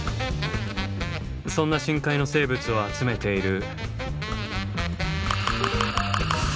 そんな深海の生物を集めている。